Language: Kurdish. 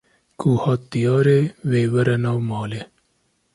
Ku hat diyarê, wê were nav malê